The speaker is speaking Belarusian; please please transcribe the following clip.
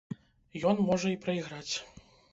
Ён можа і прайграць.